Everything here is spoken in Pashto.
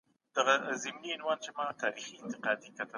توليد په تېرو کلونو کي کم و.